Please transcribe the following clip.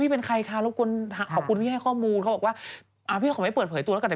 พี่เขาติดประกาศมาให้ดูแล้วกัน